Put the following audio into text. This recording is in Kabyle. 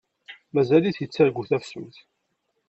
Mazal-it yettargu tafsut.